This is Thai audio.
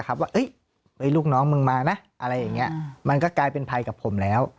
ไอ้ลูกน้องมึงมามันก็กลายเป็นภัยกับผมแล้ว